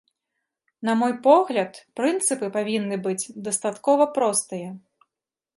На мой погляд, прынцыпы павінны быць дастаткова простыя.